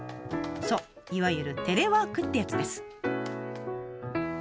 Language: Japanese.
そういわゆるテレワークってやつです。